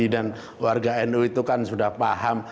dan warga nu itu kan sudah paham